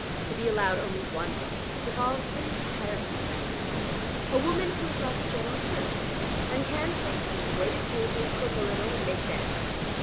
To be allowed only one wife, has evolved a very tiresome type of woman; a woman who is like a general servant, and can, so to speak, wait at table, cook a little, and make beds.